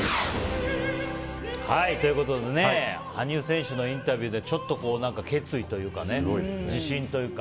ということで羽生選手のインタビューでちょっと、決意というか自信というか。